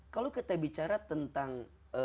kalau kita bicara tentang